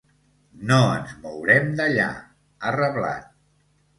“No ens mourem d’allà”, ha reblat.